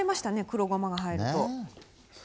黒ごまが入ると。